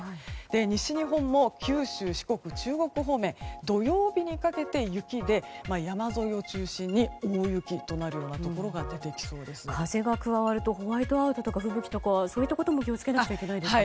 西日本も九州、四国・中国方面土曜日にかけて雪で山沿いを中心に大雪となるようなところが風が加わるとホワイトアウトとか風吹とかに気を付けないといけないですね。